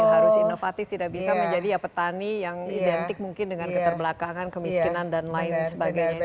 harus inovatif tidak bisa menjadi ya petani yang identik mungkin dengan keterbelakangan kemiskinan dan lain sebagainya